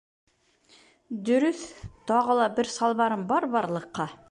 Дөрөҫ, тағы ла бер салбарым бар-барлыҡҡа.